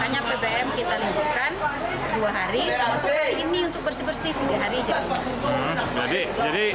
hanya bbm kita liburkan dua hari ini untuk bersih bersih tiga hari